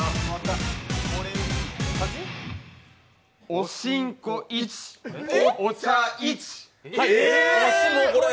おしんこ１、お茶１。